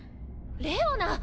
レオナ！